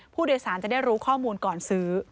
ผู้โดยสารจะได้รู้ข้อมูลก่อนซื้อ